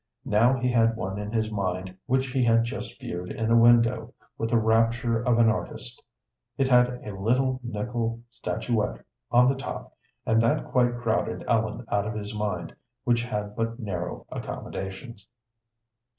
Now he had one in his mind which he had just viewed in a window with the rapture of an artist. It had a little nickel statuette on the top, and that quite crowded Ellen out of his mind, which had but narrow accommodations.